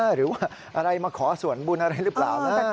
หรือว่าอะไรมาขอส่วนบุญอะไรหรือเปล่า